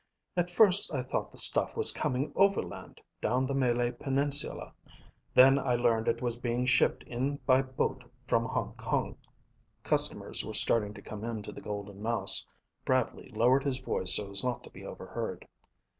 At first I thought the stuff was coming overland, down the Malay Peninsula. Then I learned it was being shipped in by boat from Hong Kong." Customers were starting to come into the Golden Mouse. Bradley lowered his voice so as not to be overheard.